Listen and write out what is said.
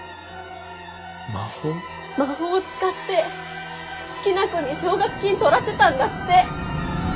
魔法を使って好きな子に奨学金取らせたんだって。